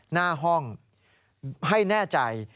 หน้าห้องให้แน่ใจ